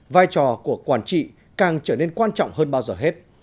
vai trò của quản trị càng trở nên quan trọng hơn bao giờ hết